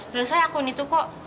menurut saya akun itu kok